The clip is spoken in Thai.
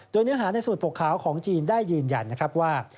โดยเนื้อหาในสมุดปกขาวของจีนได้ยืนยันว่า